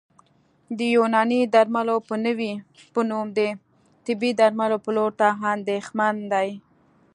د یوناني درملو په نوم د طبي درملو پلور ته اندېښمن دي